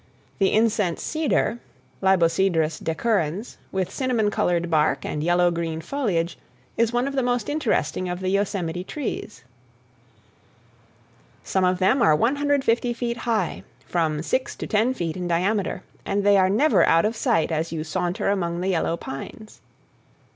The incense cedar (Libocedrus decurrens) with cinnamon colored bark and yellow green foliage is one of the most interesting of the Yosemite trees. Some of them are 150 feet high, from six to ten feet in diameter, and they are never out of sight as you saunter among the yellow pines.